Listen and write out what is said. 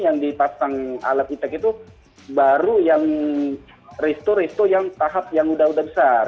yang dipasang alat e tax itu baru yang restore restore yang tahap yang sudah besar